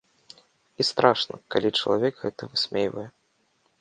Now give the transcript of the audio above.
І страшна, калі чалавек гэта высмейвае.